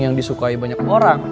yang disukai banyak orang